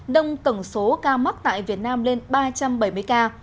đông tổng số ca mắc tại việt nam lên ba trăm bảy mươi ca